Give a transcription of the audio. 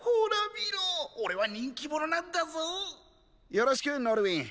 よろしくノルウィン。